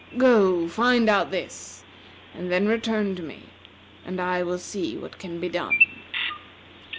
Go, find out this, and then return to me, and I will see what can be done."